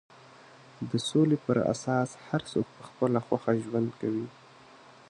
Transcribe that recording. د سولې پر اساس هر څوک په خپله خوښه ژوند کوي.